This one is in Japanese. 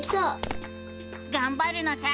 がんばるのさ！